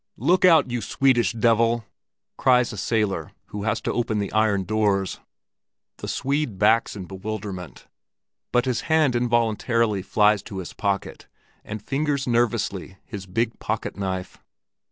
"Look out, you Swedish devil!" cries a sailor who has to open the iron doors. The Swede backs in bewilderment, but his hand involuntarily flies to his pocket and fingers nervously his big pocket knife.